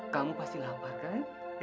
kamu pasti lapar kan